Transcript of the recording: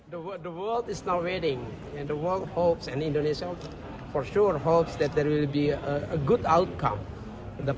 pemerintah indonesia berharap perekonomian terbesar di dunia ini bisa menghasilkan suatu output yang baik